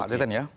pak teten ya